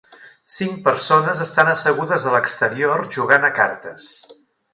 Cinc persones estan assegudes a l'exterior jugant a cartes.